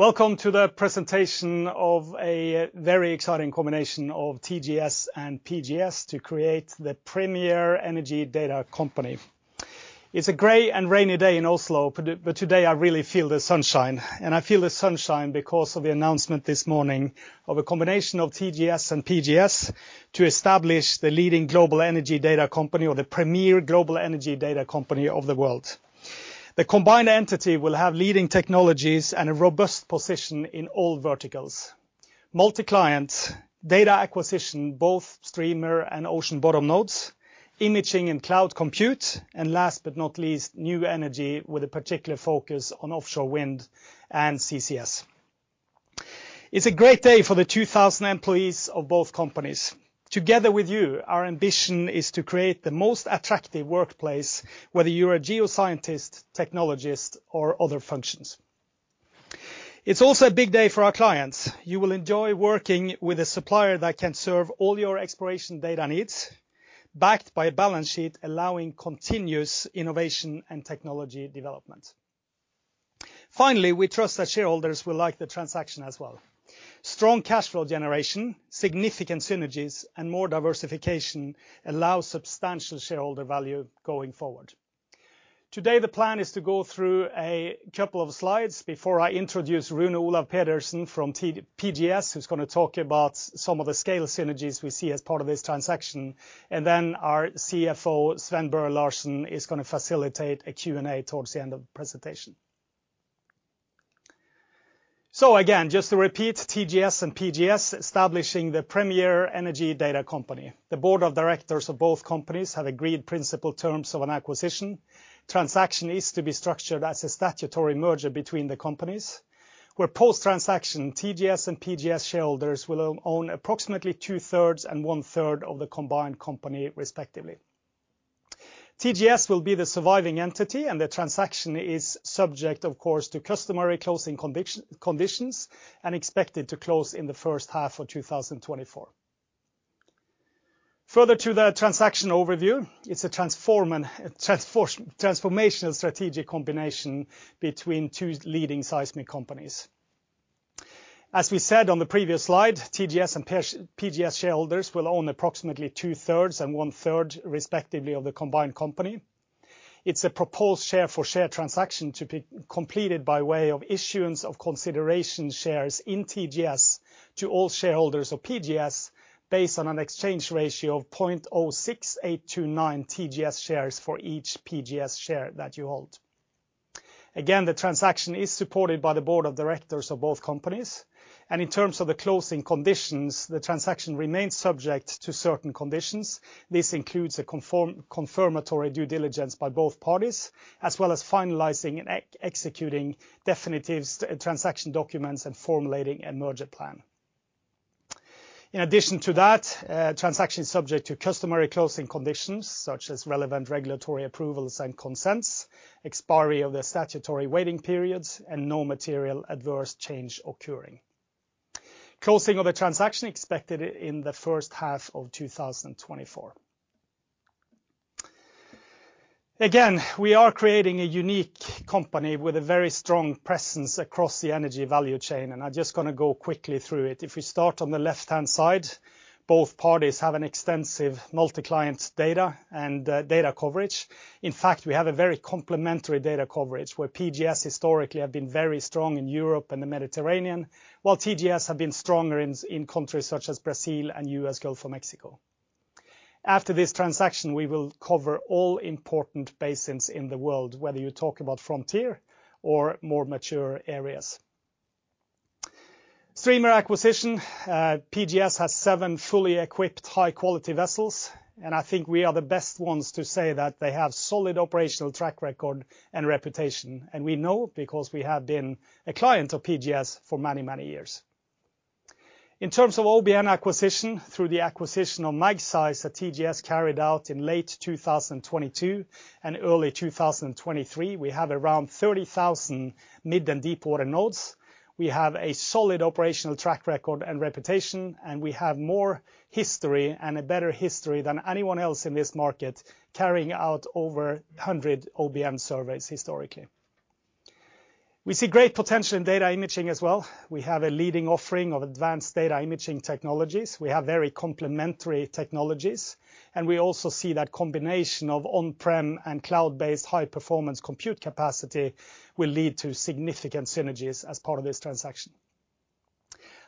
Welcome to the presentation of a very exciting combination of TGS and PGS to create the premier energy data company. It's a gray and rainy day in Oslo, but today I really feel the sunshine, and I feel the sunshine because of the announcement this morning of a combination of TGS and PGS to establish the leading global energy data company or the premier global energy data company of the world. The combined entity will have leading technologies and a robust position in all verticals. Multi-Client data acquisition, both streamer and ocean bottom nodes, imaging and cloud compute, and last but not least, new energy with a particular focus on offshore wind and CCS. It's a great day for the 2,000 employees of both companies. Together with you, our ambition is to create the most attractive workplace, whether you're a geoscientist, technologist, or other functions. It's also a big day for our clients. You will enjoy working with a supplier that can serve all your exploration data needs, backed by a balance sheet, allowing continuous innovation and technology development. Finally, we trust that shareholders will like the transaction as well. Strong cash flow generation, significant synergies, and more diversification allow substantial shareholder value going forward. Today, the plan is to go through a couple of slides before I introduce Rune Olav Pedersen from TGS-PGS, who's going to talk about some of the scale synergies we see as part of this transaction. And then our CFO, Sven Børre Larsen, is going to facilitate a Q&A towards the end of the presentation. So again, just to repeat, TGS and PGS, establishing the premier energy data company. The Board of Directors of both companies have agreed principal terms of an acquisition. Transaction is to be structured as a statutory merger between the companies, where post-transaction, TGS and PGS shareholders will own approximately two-thirds and one-third of the combined company, respectively. TGS will be the surviving entity, and the transaction is subject, of course, to customary closing conditions and expected to close in the first half of 2024. Further to the transaction overview, it's a transformational strategic combination between two leading seismic companies. As we said on the previous slide, TGS and PGS shareholders will own approximately two-thirds and one-third, respectively, of the combined company. It's a proposed share-for-share transaction to be completed by way of issuance of consideration shares in TGS to all shareholders of PGS, based on an exchange ratio of 0.06829 TGS shares for each PGS share that you hold. Again, the transaction is supported by the Board of Directors of both companies, and in terms of the closing conditions, the transaction remains subject to certain conditions. This includes a confirmatory due diligence by both parties, as well as finalizing and executing definitive transaction documents and formulating a merger plan. In addition to that, transaction is subject to customary closing conditions, such as relevant regulatory approvals and consents, expiry of the statutory waiting periods, and no material adverse change occurring. Closing of the transaction expected in the first half of 2024. Again, we are creating a unique company with a very strong presence across the energy value chain, and I'm just going to go quickly through it. If we start on the left-hand side, both parties have an extensive multi-client data and data coverage. In fact, we have a very complementary data coverage, where PGS historically have been very strong in Europe and the Mediterranean, while TGS have been stronger in, in countries such as Brazil and U.S. Gulf of Mexico. After this transaction, we will cover all important basins in the world, whether you talk about frontier or more mature areas. Streamer acquisition, PGS has seven fully equipped, high-quality vessels, and I think we are the best ones to say that they have solid operational track record and reputation. We know because we have been a client of PGS for many, many years. In terms of OBN acquisition, through the acquisition of Magseis Fairfield, that TGS carried out in late 2022 and early 2023, we have around 30,000 mid- and deepwater nodes. We have a solid operational track record and reputation, and we have more history and a better history than anyone else in this market, carrying out over 100 OBN surveys historically. We see great potential in data imaging as well. We have a leading offering of advanced data imaging technologies. We have very complementary technologies, and we also see that combination of on-prem and cloud-based high-performance compute capacity will lead to significant synergies as part of this transaction.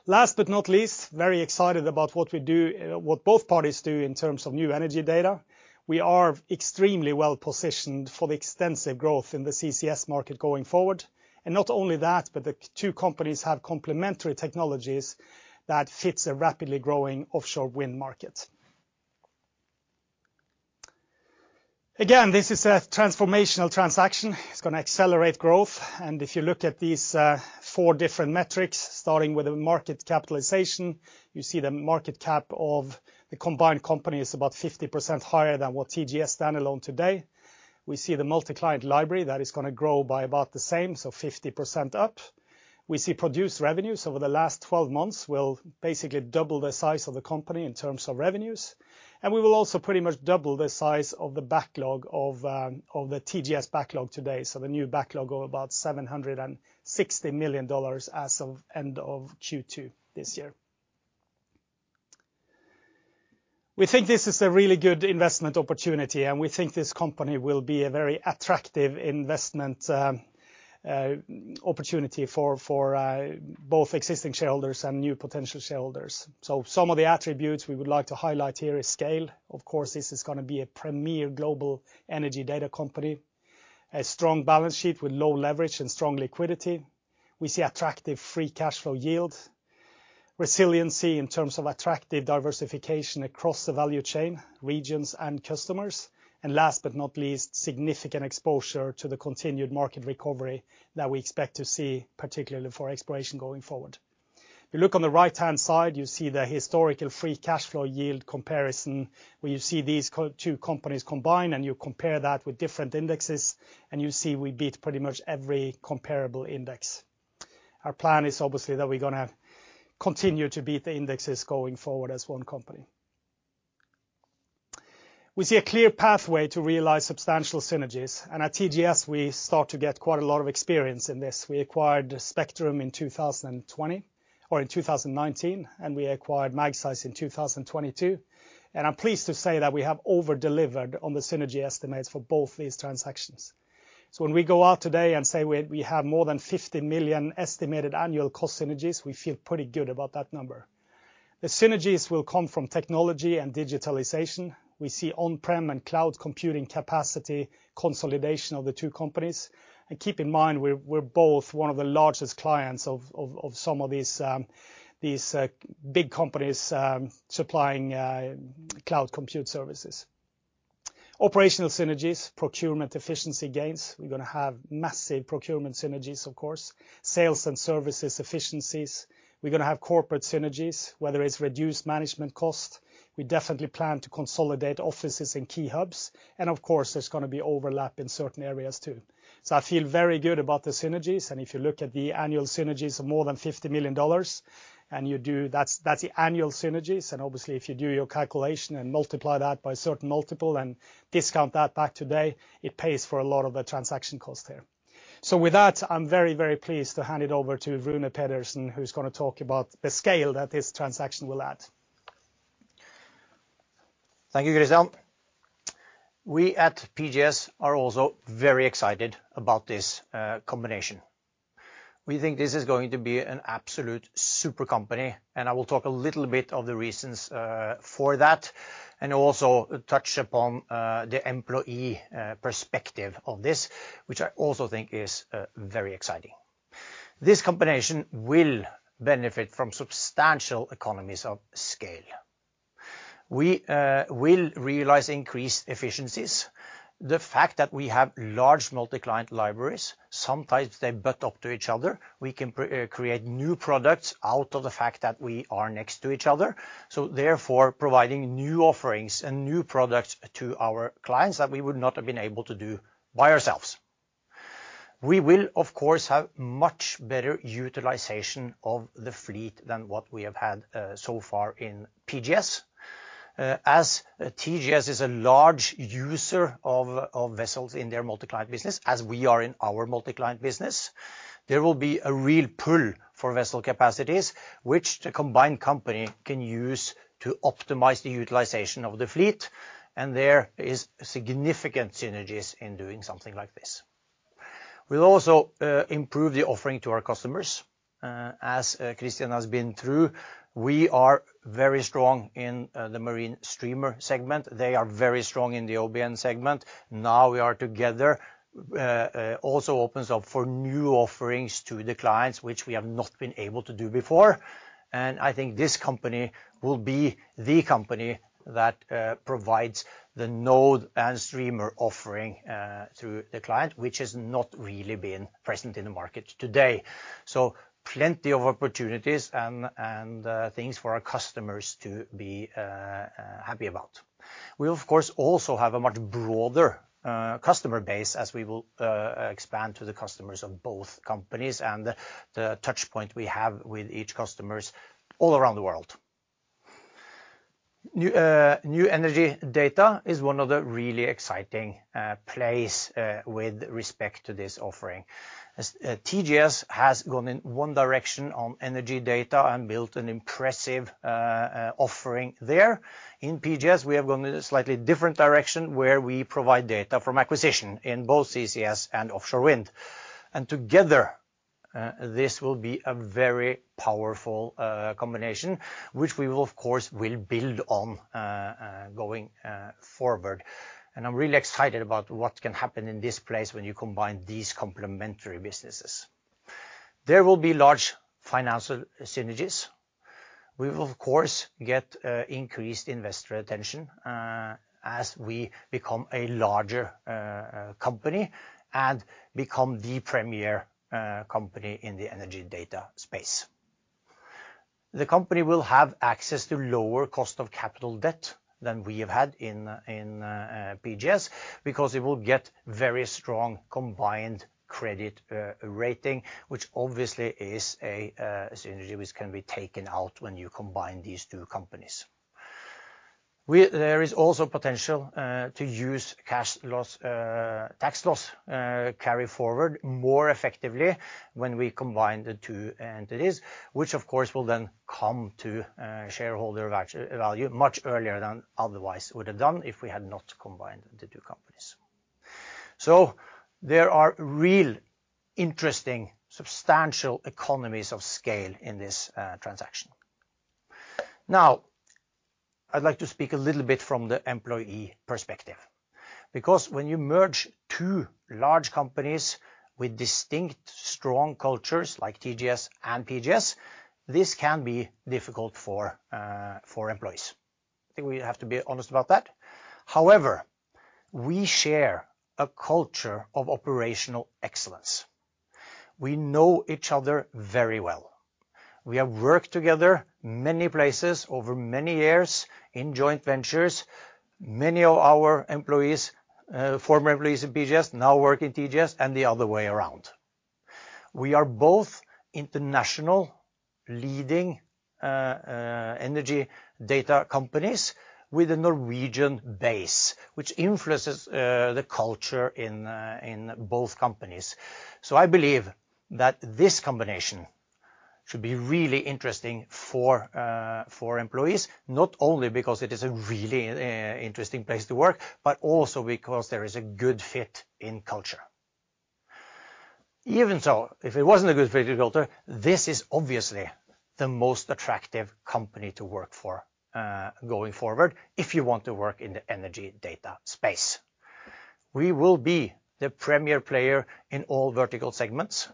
Last but not least, very excited about what we do, what both parties do in terms of new energy data. We are extremely well positioned for the extensive growth in the CCS market going forward. And not only that, but the two companies have complementary technologies that fits a rapidly growing offshore wind market. Again, this is a transformational transaction. It's going to accelerate growth. If you look at these four different metrics, starting with the market capitalization, you see the market cap of the combined company is about 50% higher than what TGS standalone today. We see the multi-client library that is going to grow by about the same, so 50% up. We see produced revenues over the last 12 months will basically double the size of the company in terms of revenues. We will also pretty much double the size of the backlog of the TGS backlog today. The new backlog of about $760 million as of end of Q2 this year. We think this is a really good investment opportunity, and we think this company will be a very attractive investment opportunity for both existing shareholders and new potential shareholders. So some of the attributes we would like to highlight here is scale. Of course, this is gonna be a premier global energy data company. A strong balance sheet with low leverage and strong liquidity. We see attractive free cash flow yield, resiliency in terms of attractive diversification across the value chain, regions, and customers. And last but not least, significant exposure to the continued market recovery that we expect to see, particularly for exploration going forward. If you look on the right-hand side, you see the historical free cash flow yield comparison, where you see these two companies combined, and you compare that with different indexes, and you see we beat pretty much every comparable index. Our plan is obviously that we're gonna continue to beat the indexes going forward as one company. We see a clear pathway to realize substantial synergies, and at TGS, we start to get quite a lot of experience in this. We acquired Spectrum in 2020, or in 2019, and we acquired Magseis in 2022. I'm pleased to say that we have over-delivered on the synergy estimates for both these transactions. When we go out today and say we have more than $50 million estimated annual cost synergies, we feel pretty good about that number. The synergies will come from technology and digitalization. We see on-prem and cloud computing capacity, consolidation of the two companies. And keep in mind, we're both one of the largest clients of some of these big companies supplying cloud compute services. Operational synergies, procurement efficiency gains. We're gonna have massive procurement synergies, of course. Sales and services efficiencies. We're gonna have corporate synergies, whether it's reduced management cost. We definitely plan to consolidate offices in key hubs, and of course, there's gonna be overlap in certain areas, too. So I feel very good about the synergies, and if you look at the annual synergies of more than $50 million, and you do... That's, that's the annual synergies, and obviously, if you do your calculation and multiply that by a certain multiple and discount that back today, it pays for a lot of the transaction cost there. So with that, I'm very, very pleased to hand it over to Rune Pedersen, who's gonna talk about the scale that this transaction will add. Thank you, Kristian. We at PGS are also very excited about this combination. We think this is going to be an absolute super company, and I will talk a little bit of the reasons for that, and also touch upon the employee perspective of this, which I also think is very exciting. This combination will benefit from substantial economies of scale. We will realize increased efficiencies. The fact that we have large multi-client libraries, sometimes they butt up to each other. We can create new products out of the fact that we are next to each other, so therefore, providing new offerings and new products to our clients that we would not have been able to do by ourselves. We will, of course, have much better utilization of the fleet than what we have had so far in PGS. As TGS is a large user of vessels in their multi-client business, as we are in our multi-client business, there will be a real pull for vessel capacities, which the combined company can use to optimize the utilization of the fleet, and there is significant synergies in doing something like this. We'll also improve the offering to our customers. As Kristian has been through, we are very strong in the Marine Streamer segment. They are very strong in the OBN segment. Now we are together, also opens up for new offerings to the clients, which we have not been able to do before. I think this company will be the company that provides the node and streamer offering to the client, which has not really been present in the market today. So plenty of opportunities and things for our customers to be happy about. We, of course, also have a much broader customer base as we will expand to the customers of both companies and the touchpoint we have with each customers all around the world. New energy data is one of the really exciting place with respect to this offering. As TGS has gone in one direction on energy data and built an impressive offering there. In PGS, we have gone in a slightly different direction, where we provide data from acquisition in both CCS and offshore wind. And together this will be a very powerful combination, which we will, of course, build on going forward. And I'm really excited about what can happen in this place when you combine these complementary businesses. There will be large financial synergies. We will, of course, get increased investor attention as we become a larger company and become the premier company in the energy data space. The company will have access to lower cost of capital debt than we have had in PGS, because it will get very strong combined credit rating, which obviously is a synergy which can be taken out when you combine these two companies. There is also potential to use tax loss carry forward more effectively when we combine the two entities, which of course will then come to shareholder value much earlier than otherwise would have done if we had not combined the two companies. So there are real interesting substantial economies of scale in this transaction. Now, I'd like to speak a little bit from the employee perspective, because when you merge two large companies with distinct, strong cultures like TGS and PGS, this can be difficult for employees. I think we have to be honest about that. However, we share a culture of operational excellence. We know each other very well. We have worked together many places over many years in joint ventures. Many of our employees, former employees in PGS, now work in TGS and the other way around. We are both international leading energy data companies with a Norwegian base, which influences the culture in both companies. So I believe that this combination should be really interesting for employees, not only because it is a really interesting place to work, but also because there is a good fit in culture. Even so, if it wasn't a good fit in culture, this is obviously the most attractive company to work for, going forward, if you want to work in the energy data space. We will be the premier player in all vertical segments.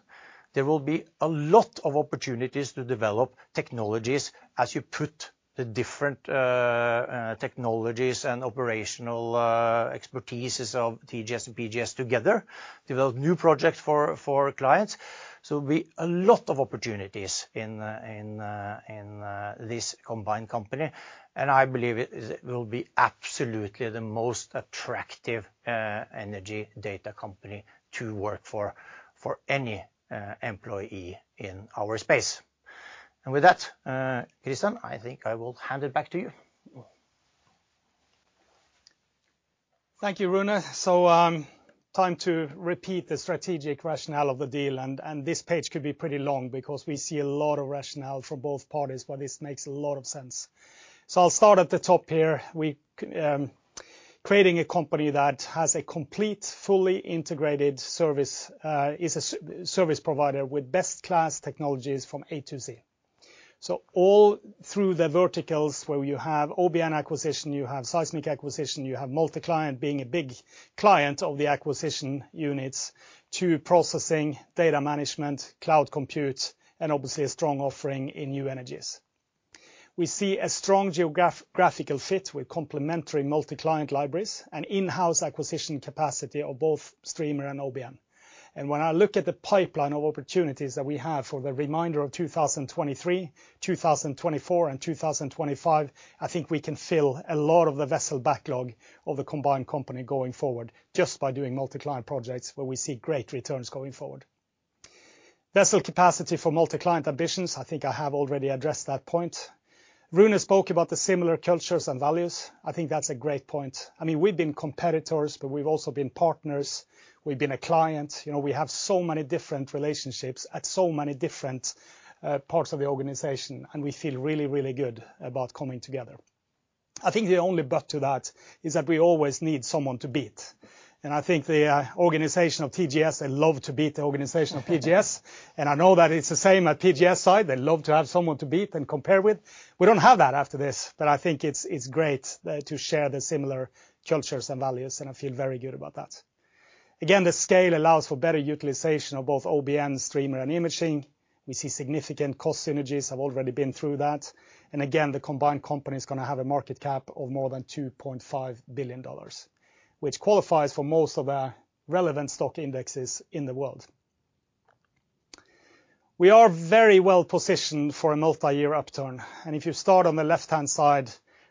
There will be a lot of opportunities to develop technologies as you put the different technologies and operational expertises of TGS and PGS together, develop new projects for clients. So it will be a lot of opportunities in this combined company, and I believe it will be absolutely the most attractive energy data company to work for any employee in our space. And with that, Kristian, I think I will hand it back to you. Thank you, Rune. So, time to repeat the strategic rationale of the deal, and this page could be pretty long because we see a lot of rationale for both parties, but this makes a lot of sense. So I'll start at the top here. We creating a company that has a complete, fully integrated service is a service provider with best class technologies from A to Z. So all through the verticals where you have OBN acquisition, you have seismic acquisition, you have multi-client being a big client of the acquisition units, to processing, data management, cloud compute, and obviously a strong offering in new energies. We see a strong geographical fit with complementary multi-client libraries and in-house acquisition capacity of both streamer and OBN. When I look at the pipeline of opportunities that we have for the remainder of 2023, 2024, and 2025, I think we can fill a lot of the vessel backlog of the combined company going forward just by doing multi-client projects where we see great returns going forward. Vessel capacity for multi-client ambitions, I think I have already addressed that point. Rune spoke about the similar cultures and values. I think that's a great point. I mean, we've been competitors, but we've also been partners. We've been a client. You know, we have so many different relationships at so many different parts of the organization, and we feel really, really good about coming together. I think the only but to that is that we always need someone to beat. I think the organization of TGS, they love to beat the organization of PGS, and I know that it's the same at PGS side. They love to have someone to beat and compare with. We don't have that after this, but I think it's great to share the similar cultures and values, and I feel very good about that. Again, the scale allows for better utilization of both OBN, streamer, and imaging. We see significant cost synergies. I've already been through that. And again, the combined company is gonna have a market cap of more than $2.5 billion, which qualifies for most of the relevant stock indexes in the world. We are very well positioned for a multi-year upturn, and if you start on the left-hand side,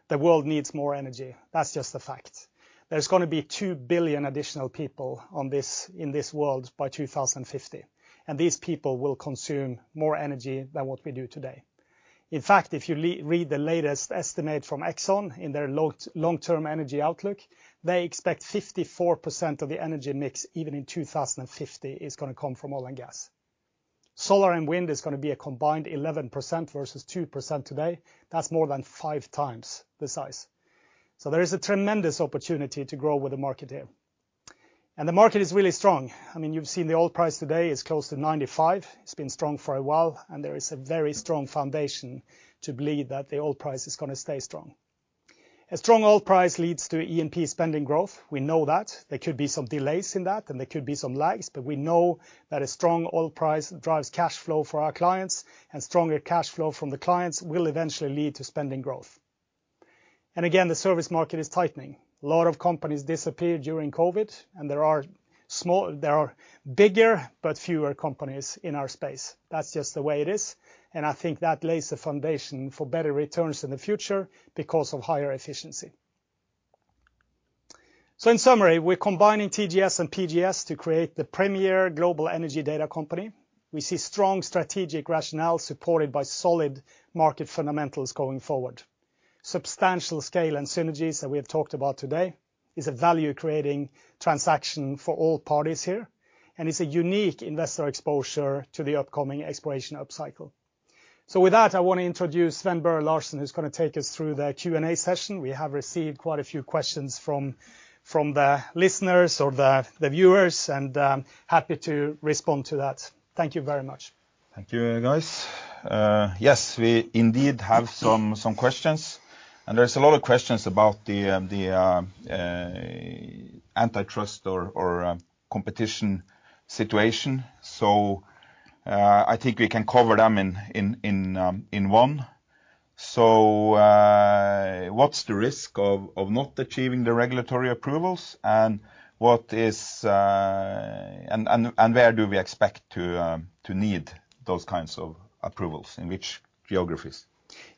the world needs more energy. That's just a fact. There's gonna be 2 billion additional people on this, in this world by 2050, and these people will consume more energy than what we do today. In fact, if you re-read the latest estimate from Exxon in their long-term energy outlook, they expect 54% of the energy mix, even in 2050, is gonna come from oil and gas. Solar and wind is gonna be a combined 11% versus 2% today. That's more than 5 times the size. So there is a tremendous opportunity to grow with the market here. And the market is really strong. I mean, you've seen the oil price today is close to $95. It's been strong for a while, and there is a very strong foundation to believe that the oil price is gonna stay strong. A strong oil price leads to E&P spending growth. We know that. There could be some delays in that, and there could be some lags, but we know that a strong oil price drives cash flow for our clients, and stronger cash flow from the clients will eventually lead to spending growth. Again, the service market is tightening. A lot of companies disappeared during COVID, and there are bigger, but fewer companies in our space. That's just the way it is, and I think that lays the foundation for better returns in the future because of higher efficiency... So in summary, we're combining TGS and PGS to create the premier global energy data company. We see strong strategic rationale, supported by solid market fundamentals going forward. Substantial scale and synergies that we have talked about today is a value-creating transaction for all parties here, and it's a unique investor exposure to the upcoming exploration upcycle. So with that, I want to introduce Sven Børre Larsen, who's gonna take us through the Q&A session. We have received quite a few questions from the listeners or the viewers, and happy to respond to that. Thank you very much. Thank you, guys. Yes, we indeed have some questions, and there's a lot of questions about the antitrust or competition situation. So, I think we can cover them in one. So, what's the risk of not achieving the regulatory approvals, and what is... And where do we expect to need those kinds of approvals, in which geographies?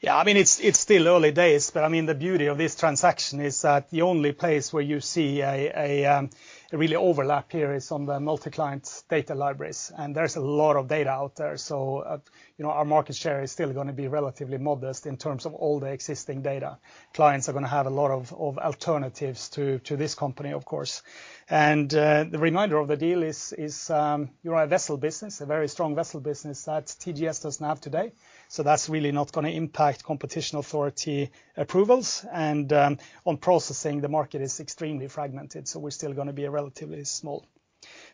Yeah, I mean, it's, it's still early days, but, I mean, the beauty of this transaction is that the only place where you see a, a, a really overlap here is on the multi-client data libraries, and there's a lot of data out there. So, you know, our market share is still gonna be relatively modest in terms of all the existing data. Clients are gonna have a lot of, of alternatives to, to this company, of course. And, the remainder of the deal is, is, you're a vessel business, a very strong vessel business that TGS doesn't have today. So that's really not gonna impact competition authority approvals. And, on processing, the market is extremely fragmented, so we're still gonna be a relatively small.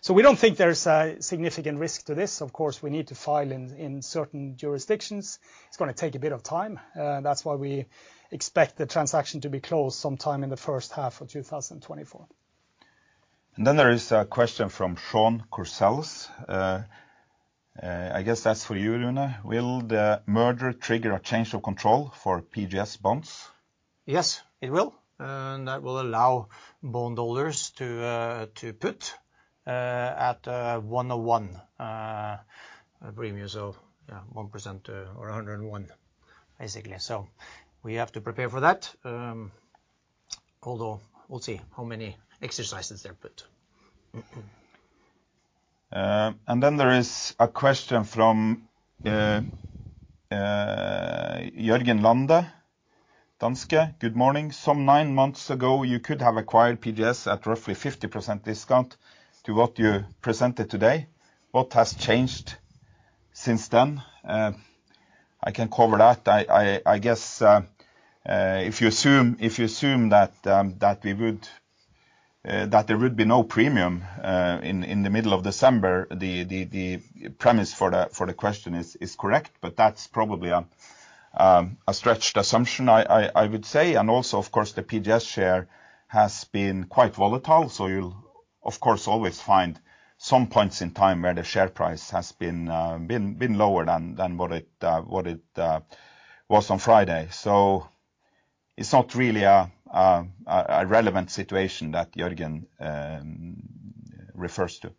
So we don't think there's a significant risk to this. Of course, we need to file in, in certain jurisdictions. It's gonna take a bit of time, that's why we expect the transaction to be closed sometime in the first half of 2024. There is a question from Sean Sheridan. I guess that's for you, Rune. Will the merger trigger a change of control for PGS bonds? Yes, it will. And that will allow bondholders to, to put, at, 1 to 1, a premium, so, yeah, 1%, or 101, basically. So we have to prepare for that, although we'll see how many exercises they put. And then there is a question from Jørgen Lande, Danske. Good morning. Some nine months ago, you could have acquired PGS at roughly 50% discount to what you presented today. What has changed since then? I can cover that. I guess if you assume that there would be no premium in the middle of December, the premise for the question is correct, but that's probably a stretched assumption, I would say. And also, of course, the PGS share has been quite volatile, so you'll, of course, always find some points in time where the share price has been lower than what it was on Friday. So it's not really a relevant situation that Jørgen refers to.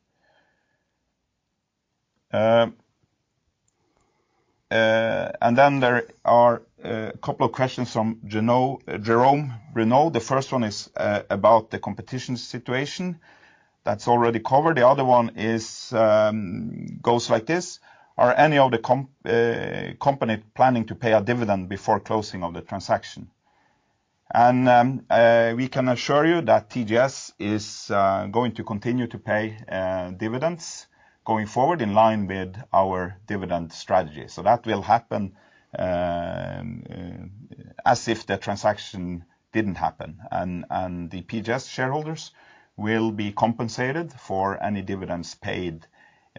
And then there are a couple of questions from Jerome Renaud. The first one is about the competition situation. That's already covered. The other one goes like this: Are any of the companies planning to pay a dividend before closing of the transaction? And we can assure you that TGS is going to continue to pay dividends going forward in line with our dividend strategy. So that will happen as if the transaction didn't happen, and the PGS shareholders will be compensated for any dividends paid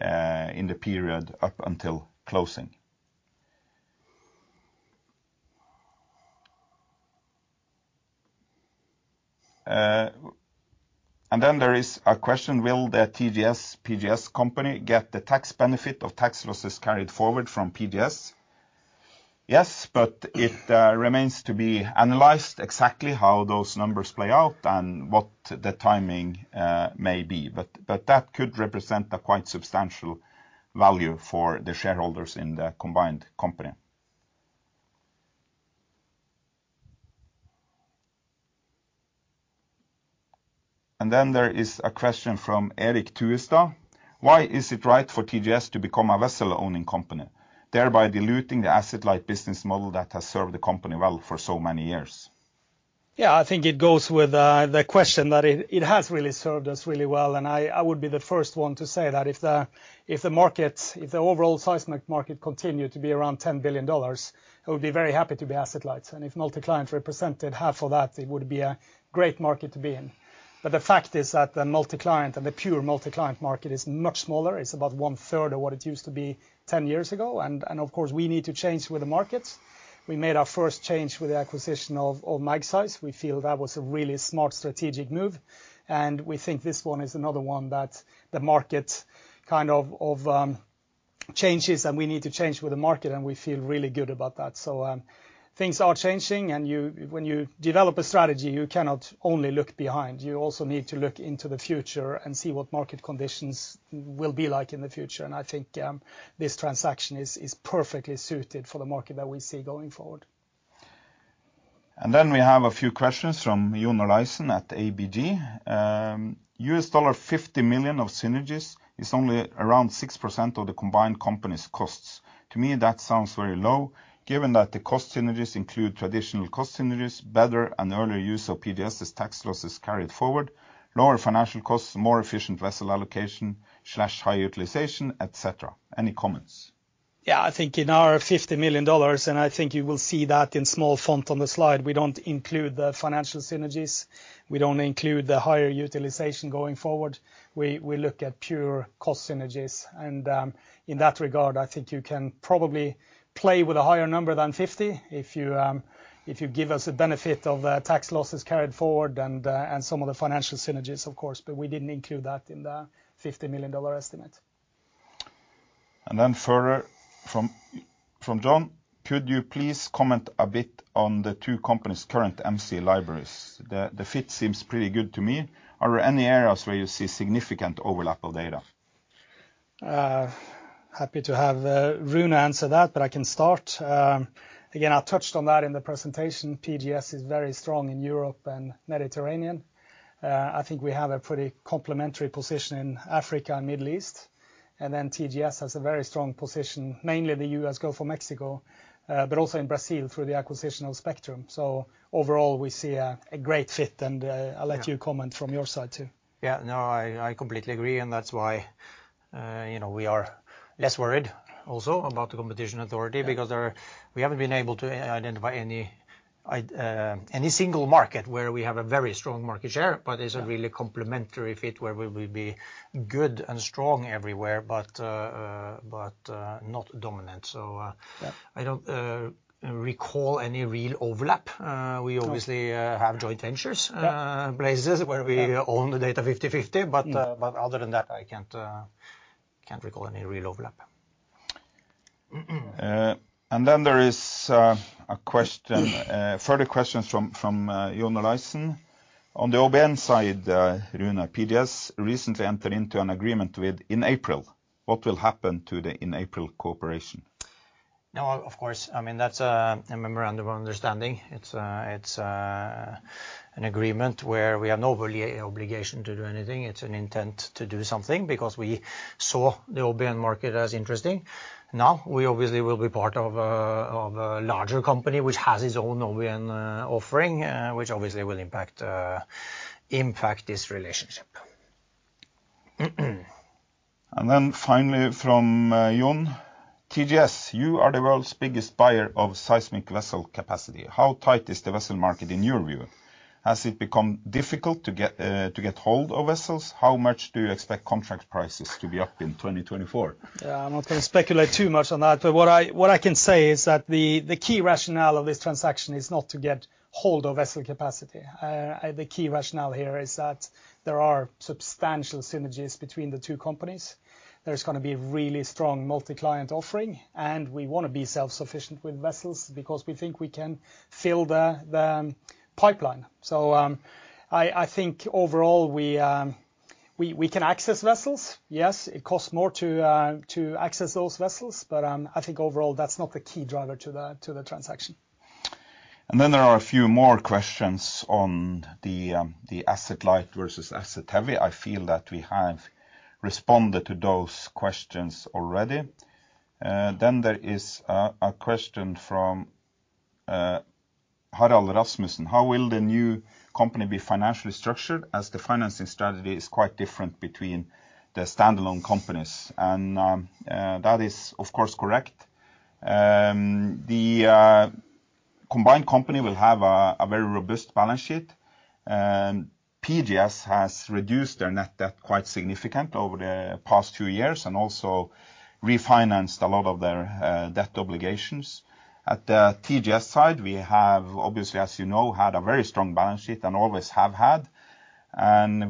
in the period up until closing. And then there is a question: Will the TGS, PGS company get the tax benefit of tax losses carried forward from PGS? Yes, but it remains to be analyzed exactly how those numbers play out and what the timing may be. But that could represent a quite substantial value for the shareholders in the combined company. And then there is a question from Erik Tønnesen: Why is it right for TGS to become a vessel-owning company, thereby diluting the asset-light business model that has served the company well for so many years? Yeah, I think it goes with the question that it has really served us really well, and I would be the first one to say that if the overall seismic market continued to be around $10 billion, I would be very happy to be asset-light. And if multi-client represented half of that, it would be a great market to be in. But the fact is that the multi-client and the pure multi-client market is much smaller. It's about one-third of what it used to be 10 years ago, and of course, we need to change with the market. We made our first change with the acquisition of Magseis. We feel that was a really smart strategic move, and we think this one is another one, that the market kind of changes, and we need to change with the market, and we feel really good about that. So, things are changing, and you... when you develop a strategy, you cannot only look behind. You also need to look into the future and see what market conditions will be like in the future, and I think this transaction is perfectly suited for the market that we see going forward. Then we have a few questions from Jon Olaisen at ABG. $50 million of synergies is only around 6% of the combined company's costs. To me, that sounds very low, given that the cost synergies include traditional cost synergies, better and earlier use of PGS' tax losses carried forward, lower financial costs, more efficient vessel allocation slash high utilization, et cetera. Any comments? Yeah, I think in our $50 million, and I think you will see that in small font on the slide, we don't include the financial synergies. We don't include the higher utilization going forward. We look at pure cost synergies, and in that regard, I think you can probably play with a higher number than 50 if you give us the benefit of the tax losses carried forward and some of the financial synergies, of course, but we didn't include that in the $50 million estimate. And then further from John: Could you please comment a bit on the two companies' current MC libraries? The fit seems pretty good to me. Are there any areas where you see significant overlap of data? Happy to have Rune answer that, but I can start. Again, I touched on that in the presentation. PGS is very strong in Europe and Mediterranean. I think we have a pretty complementary position in Africa and Middle East. And then TGS has a very strong position, mainly in the U.S., Gulf of Mexico, but also in Brazil through the acquisition of Spectrum. So overall, we see a great fit, and I'll let you comment from your side, too. Yeah, no, I completely agree, and that's why, you know, we are less worried also about the competition authority because we haven't been able to identify any, any single market where we have a very strong market share. But it's a really complementary fit where we will be good and strong everywhere, but not dominant. So I don't recall any real overlap. We obviously have joint ventures, places where we own the data 50/50, but other than that, I can't recall any real overlap. And then there is a question, further questions from Jon Olaisen. On the OBN side, Rune, PGS recently entered into an agreement with Inpex. What will happen to the Inpex cooperation? No, of course, I mean, that's a memorandum of understanding. It's an agreement where we have no obligation to do anything. It's an intent to do something because we saw the OBN market as interesting. Now, we obviously will be part of a larger company which has its own OBN offering, which obviously will impact this relationship. And then finally, from Jon: TGS, you are the world's biggest buyer of seismic vessel capacity. How tight is the vessel market in your view? Has it become difficult to get hold of vessels? How much do you expect contract prices to be up in 2024? Yeah, I'm not gonna speculate too much on that, but what I can say is that the key rationale of this transaction is not to get hold of vessel capacity. The key rationale here is that there are substantial synergies between the two companies. There's gonna be a really strong multi-client offering, and we want to be self-sufficient with vessels because we think we can fill the pipeline. So, I think overall, we can access vessels. Yes, it costs more to access those vessels, but I think overall, that's not the key driver to the transaction. Then there are a few more questions on the asset light versus asset heavy. I feel that we have responded to those questions already. Then there is a question from Harald Rasmussen: How will the new company be financially structured, as the financing strategy is quite different between the standalone companies? That is, of course, correct. The combined company will have a very robust balance sheet, and PGS has reduced their net debt quite significant over the past two years and also refinanced a lot of their debt obligations. At the TGS side, we have, obviously, as you know, had a very strong balance sheet and always have had.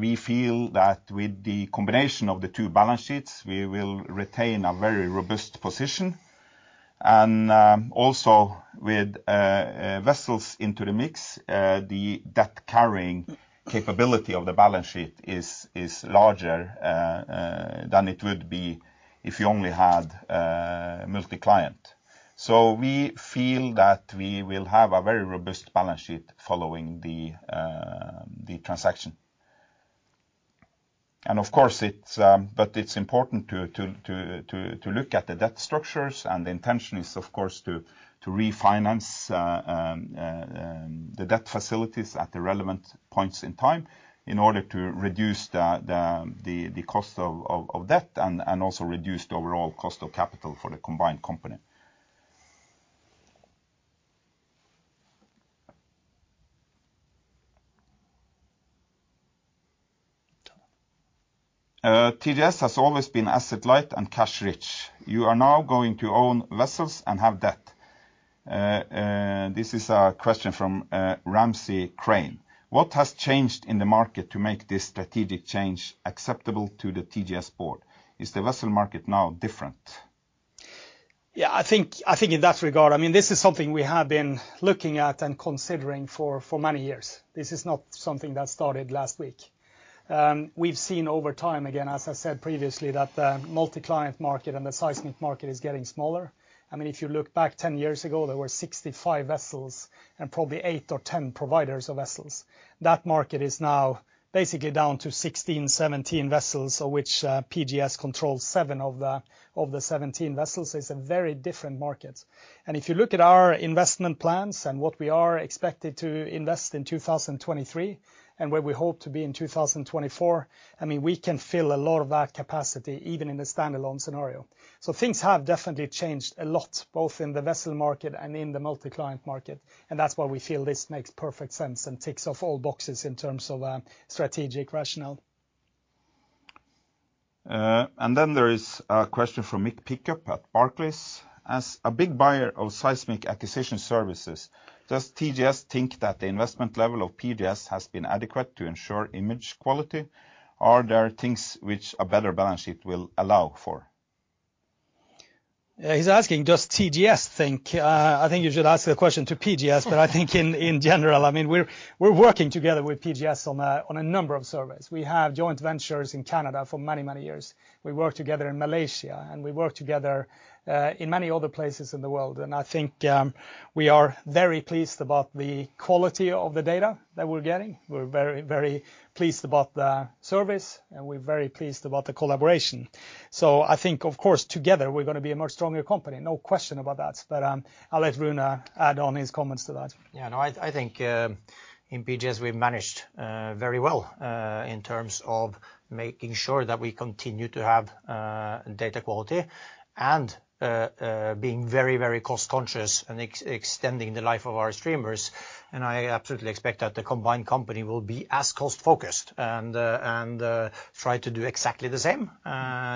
We feel that with the combination of the two balance sheets, we will retain a very robust position. Also with vessels into the mix, the debt carrying capability of the balance sheet is larger than it would be if you only had multi-client. So we feel that we will have a very robust balance sheet following the transaction. And of course, it's but it's important to look at the debt structures, and the intention is, of course, to refinance the debt facilities at the relevant points in time in order to reduce the cost of debt and also reduce the overall cost of capital for the combined company. TGS has always been asset light and cash rich. You are now going to own vessels and have debt. This is a question from Ramsey Crane: What has changed in the market to make this strategic change acceptable to the TGS board? Is the vessel market now different? Yeah, I think, I think in that regard, I mean, this is something we have been looking at and considering for, for many years. This is not something that started last week. We've seen over time, again, as I said previously, that the multi-client market and the seismic market is getting smaller. I mean, if you look back 10 years ago, there were 65 vessels and probably eight or 10 providers of vessels. That market is now basically down to 16-17 vessels, of which PGS controls seven of the 17 vessels. It's a very different market. And if you look at our investment plans and what we are expected to invest in 2023, and where we hope to be in 2024, I mean, we can fill a lot of that capacity, even in a standalone scenario. Things have definitely changed a lot, both in the vessel market and in the multi-client market, and that's why we feel this makes perfect sense and ticks off all boxes in terms of strategic rationale. And then there is a question from Mick Pickup at Barclays: As a big buyer of seismic acquisition services, does TGS think that the investment level of PGS has been adequate to ensure image quality? Are there things which a better balance sheet will allow for? Yeah, he's asking, does TGS think? I think you should ask the question to PGS. But I think in general, I mean, we're working together with PGS on a number of surveys. We have joint ventures in Canada for many years. We work together in Malaysia, and we work together in many other places in the world. And I think we are very pleased about the quality of the data that we're getting. We're very, very pleased about the service, and we're very pleased about the collaboration. So I think, of course, together, we're gonna be a much stronger company, no question about that. But I'll let Rune add on his comments to that. Yeah, no, I think in PGS, we've managed very well in terms of making sure that we continue to have data quality and being very, very cost conscious and extending the life of our streamers. And I absolutely expect that the combined company will be as cost focused and try to do exactly the same,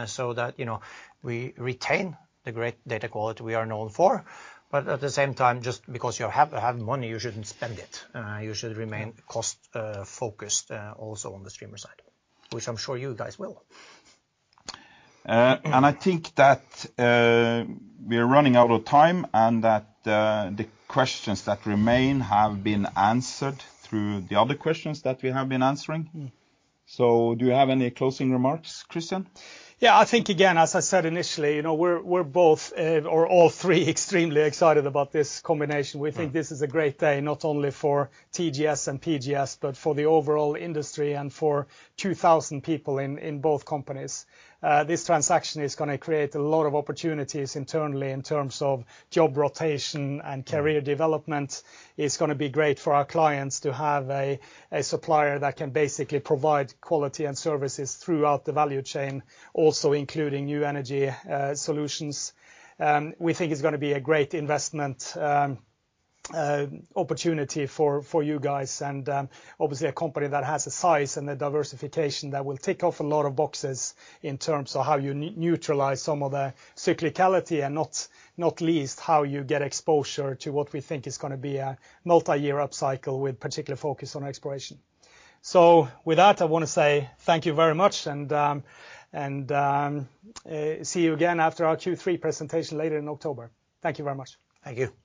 so that, you know, we retain the great data quality we are known for. But at the same time, just because you have money, you shouldn't spend it. You should remain cost focused also on the streamer side, which I'm sure you guys will. I think that we are running out of time, and that the questions that remain have been answered through the other questions that we have been answering. Mm-hmm. So do you have any closing remarks, Kristian? Yeah, I think, again, as I said initially, you know, we're both, or all three extremely excited about this combination. Mm. We think this is a great day, not only for TGS and PGS, but for the overall industry and for 2,000 people in both companies. This transaction is gonna create a lot of opportunities internally in terms of job rotation and career development. It's gonna be great for our clients to have a supplier that can basically provide quality and services throughout the value chain, also including new energy solutions. We think it's gonna be a great investment opportunity for you guys, and obviously a company that has the size and the diversification that will tick off a lot of boxes in terms of how you neutralize some of the cyclicality, and not least, how you get exposure to what we think is gonna be a multi-year upcycle with particular focus on exploration. So with that, I want to say thank you very much, and see you again after our Q3 presentation later in October. Thank you very much. Thank you.